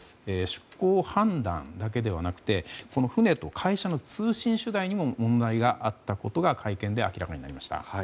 出航判断だけではなくて船と会社の通信手段にも問題があったことが会見で明らかになりました。